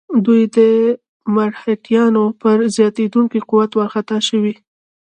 دوی د مرهټیانو پر زیاتېدونکي قوت وارخطا شوي.